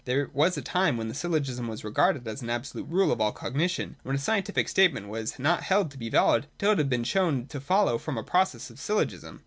There was a time when the syllogism was regarded as an absolute rule for all cognition, and when a scientific statement was not held to be valid until it had been shown to follow from a process of syllogism.